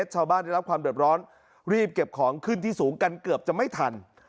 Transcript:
ชาวบ้านได้รับความเดือดร้อนรีบเก็บของขึ้นที่สูงกันเกือบจะไม่ทัน